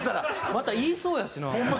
また言いそうやしな。